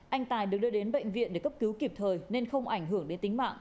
anh tài được đưa đến bệnh viện để cấp cứu kịp thời nên không ảnh hưởng đến tính mạng